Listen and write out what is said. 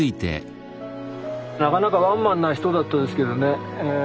なかなかワンマンな人だったですけどね